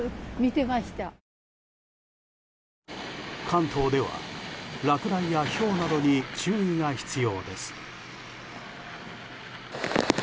関東では落雷やひょうなどに注意が必要です。